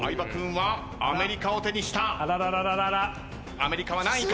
アメリカは何位か？